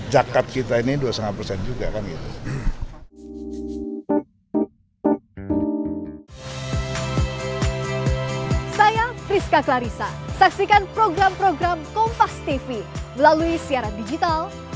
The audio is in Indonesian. jakat kita ini dua lima juga kan gitu